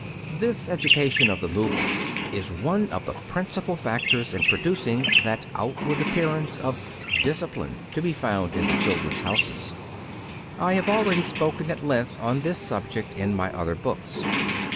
This education of the movements is one of the principal factors in producing that outward appearance of "discipline" to be found in the "Children's Houses." I have already spoken at length on this subject in my other books.